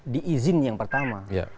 di izin yang pertama